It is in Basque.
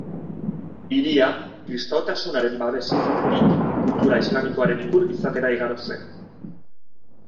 Hiria, Kristautasunaren babes izatetik, kultura islamikoaren ikur izatera igaro zen.